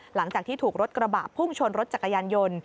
หลังจากที่ถูกรถกระบะพุ่งชนรถจักรยานยนต์